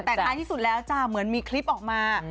แต่ท้ายที่สุดแล้วจ้ะเหมือนมีคลิปออกมา